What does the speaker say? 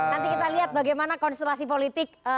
nanti kita lihat bagaimana konstelasi politik